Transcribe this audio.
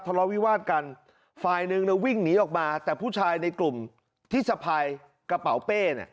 ทะเลาะวิวาดกันฝ่ายหนึ่งวิ่งหนีออกมาแต่ผู้ชายในกลุ่มที่สะพายกระเป๋าเป้เนี่ย